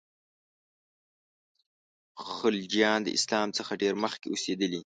خلجیان د اسلام څخه ډېر مخکي اوسېدلي.